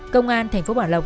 công an thành phố bảo lộc